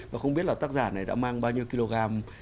và không biết là tác giả này đã mang bao nhiêu kg